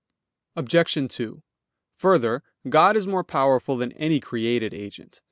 Obj. 2: Further, God is more powerful than any created agent.